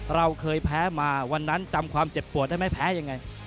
เราเคยแพ้มาวันนั้นจำความเจ็บปวดได้ไหมแพ้ยังไง